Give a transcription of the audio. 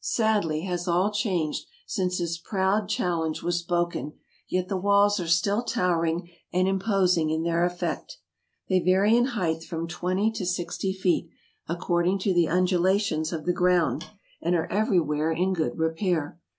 " Sadly has all changed since this proud challenge was spoken, yet the walls are still towering and imposing in their effect. They vary in height from twenty to sixty feet, according to the undulations of the ground, and are everywhere in good re pair.